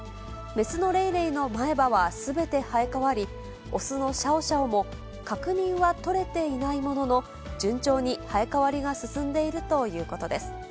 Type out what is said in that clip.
雌のレイレイの前歯はすべて生え変わり、雄のシャオシャオも確認は取れていないものの、順調に生え変わりが進んでいるということです。